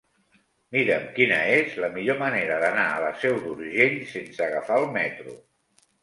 Mira'm quina és la millor manera d'anar a la Seu d'Urgell sense agafar el metro.